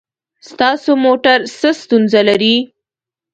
ستاسو موټر څه ستونزه لري؟